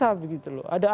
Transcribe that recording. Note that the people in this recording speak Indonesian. kemungkinan doang saudara